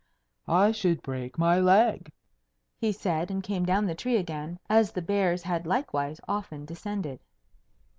"I should break my leg," he said, and came down the tree again, as the bears had likewise often descended.